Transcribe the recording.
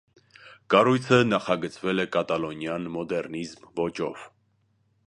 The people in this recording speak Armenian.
Կառույցը նախագծվել է կատալոնյան մոդեռնիզմ ոճով։